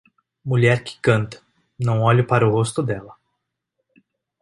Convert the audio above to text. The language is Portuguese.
Mulher que canta, não olhe para o rosto dela.